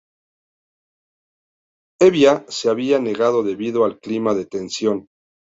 Hevia se había negado debido al clima de tensión.